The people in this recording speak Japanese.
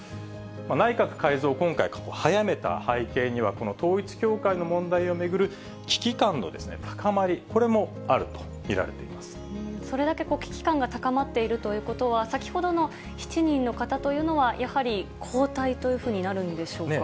内閣改造、今回、早めた背景には、この統一教会の問題を巡る危機感の高まり、それだけ危機感が高まっているということは、先ほどの７人の方というのは、やはり交代というふうになるんでしょうか。